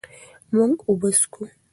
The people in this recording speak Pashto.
مونږ اوبه څښو.